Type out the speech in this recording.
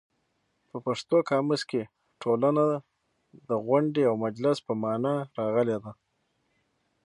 په پښتو قاموس کې ټولنه د غونډې او مجلس په مانا راغلې ده.